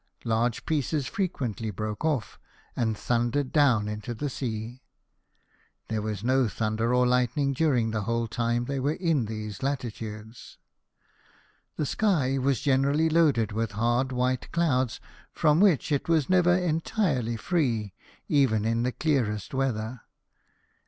Large pieces frequently broke off, and thundered down into the sea. There was no thunder nor lightning during the whole time they were in these latitudes. The sky was generally loaded with hard white clouds, from which it was never entirely free even in the clearest weather.